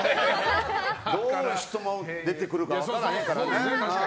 どういう質問が出るか分からないからね。